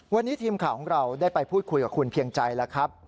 วันนี้ทีมข่าวของเราได้ไปพูดคุยกับคุณเพียงใจแล้วครับ